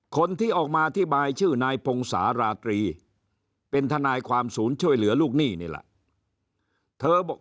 คนที่ออกมาอธิบายชื่อนายพงศาราตรีเป็นทนายความศูนย์ช่วยเหลือลูกหนี้นี่แหละเธอบอก